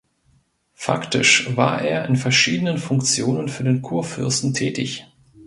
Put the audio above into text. Faktisch war er in verschiedenen Funktionen für den Kurfürsten tätig.